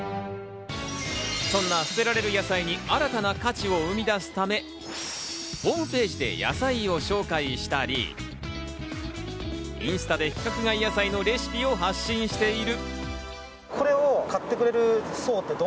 そんな捨てられる野菜に新たな価値を生み出すため、ホームページで野菜を紹介したり、インスタで規格外野菜のレシピを発信している。